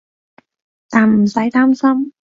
但唔使擔心